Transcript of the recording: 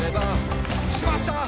「しまった！